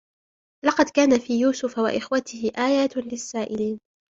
لقد كان في يوسف وإخوته آيات للسائلين